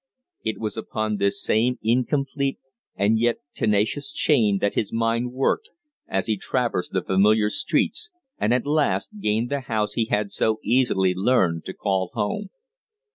It was upon this same incomplete and yet tenacious chain that his mind worked as he traversed the familiar streets and at last gained the house he had so easily learned to call home.